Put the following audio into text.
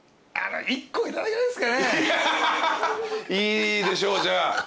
いいでしょうじゃあ。